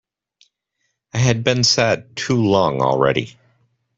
I had been sad too long already.